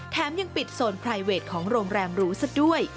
ยังปิดโซนไพรเวทของโรงแรมหรูซะด้วย